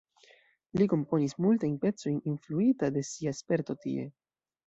Li komponis multajn pecojn influita de sia sperto tie.